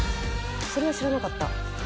それは知らなかった。